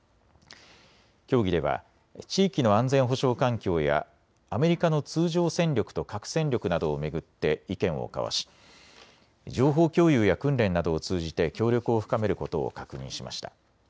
協議では地域の安全保障環境やアメリカの通常戦力と核戦力などを巡って意見を交わし情報共有や訓練などを通じて協力を深めることを確認しました。